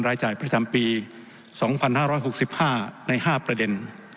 ระจ่ายประจำปีสองพันห้าร้อยหกสิบห้าในห้าประเด็น